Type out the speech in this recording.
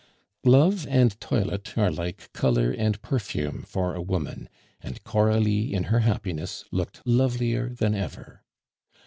Love and toilet are like color and perfume for a woman, and Coralie in her happiness looked lovelier than ever.